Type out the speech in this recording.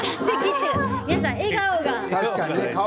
皆さん笑顔が。